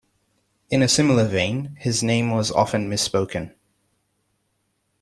In a similar vein, his name was often misspoken.